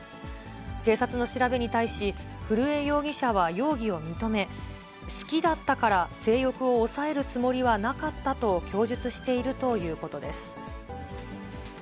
警察の調べに対し、古江容疑者は容疑を認め、好きだったから、性欲を抑えるつもりはなかったと供述しているということです。